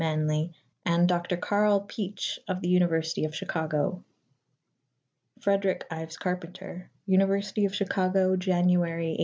Manly and Dr. Karl Pietsch of the University of Chicago. Frederic Ives Carpenter. University of Chicago, January 1899.